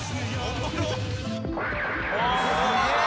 すげえ。